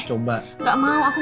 gak mau aku mau